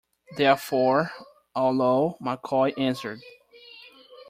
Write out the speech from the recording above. There are four, all low, McCoy answered.